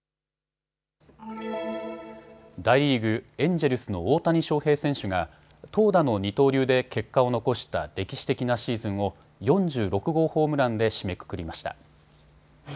大リーグ、エンジェルスの大谷翔平選手が投打の二刀流で結果を残した歴史的なシーズンを４６号ホームランで締めくくりました。